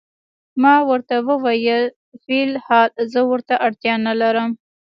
ما ورته وویل: فی الحال زه ورته اړتیا نه لرم.